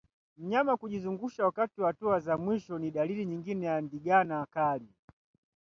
Mnyama kujizungusha wakati wa hatua za mwisho ni dalili nyingine ya ndigana kali